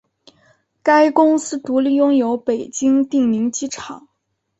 该公司独立拥有北京定陵机场。